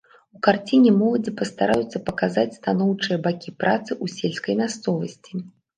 У карціне моладзі пастараюцца паказаць станоўчыя бакі працы ў сельскай мясцовасці.